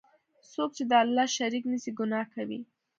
څوک چی د الله شریک نیسي، ګناه کوي.